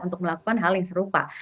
untuk melakukan hal yang serupa